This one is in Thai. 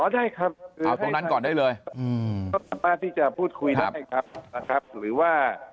อ๋อได้ครับประมาณที่จะพูดคุยได้ครับล่ะครับหรือว่า